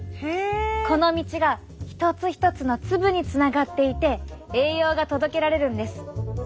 この道が一つ一つの粒につながっていて栄養が届けられるんです。